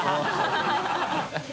ハハハ